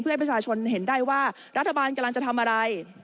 เพื่อให้ประชาชนเห็นได้ว่ารัฐบาลกำลังจะทำอะไร